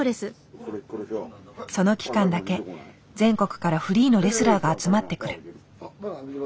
その期間だけ全国からフリーのレスラーが集まってくる。